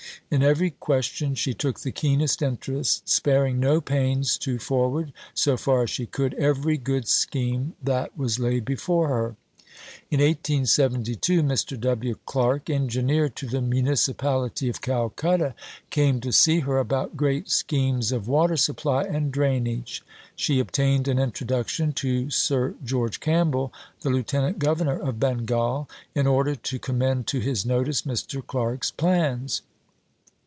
In every question she took the keenest interest, sparing no pains to forward, so far as she could, every good scheme that was laid before her. In 1872 Mr. W. Clark, engineer to the municipality of Calcutta, came to see her about great schemes of water supply and drainage. She obtained an introduction to Sir George Campbell, the Lieutenant Governor of Bengal, in order to commend to his notice Mr. Clark's plans.